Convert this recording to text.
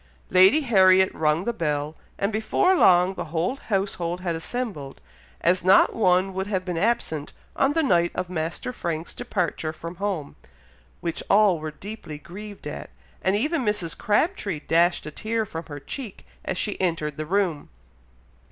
Lady Harriet rung the bell, and before long the whole household had assembled, as not one would have been absent on the night of Master Frank's departure from home, which all were deeply grieved at, and even Mrs. Crabtree dashed a tear from her cheek as she entered the room.